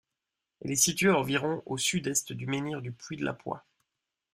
Elle est située à environ au sud-est du menhir du Puy de la Poix.